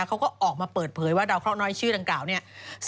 เขาก็ออกมาเปิดเผยว่าดาวเคราะห์น้อยชื่อดังกล่าวเนี่ย